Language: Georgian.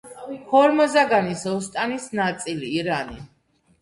ჰორმაზაგანის ოსტანის ნაწილი, ირანი.